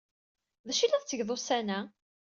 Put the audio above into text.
D acu ay la tettgeḍ ussan-a?